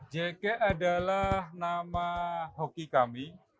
jk adalah nama hoki kami